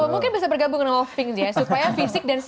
mungkin bisa bergabung dengan wolfing ya supaya fisik dan